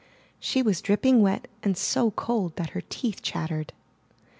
She was drip ping wet and so cold that her teeth chattered.